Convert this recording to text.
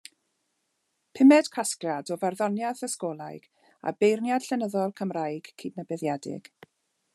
Pumed casgliad o farddoniaeth ysgolhaig a beirniad llenyddol Cymraeg cydnabyddedig.